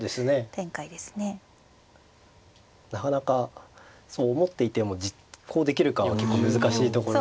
なかなかそう思っていても実行できるかは結構難しいところで。